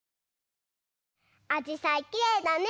あじさいきれいだね。